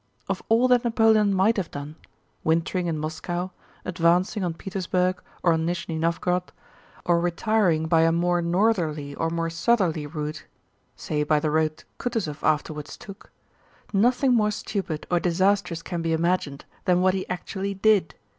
Of all that Napoleon might have done: wintering in Moscow, advancing on Petersburg or on Nízhni Nóvgorod, or retiring by a more northerly or more southerly route (say by the road Kutúzov afterwards took), nothing more stupid or disastrous can be imagined than what he actually did.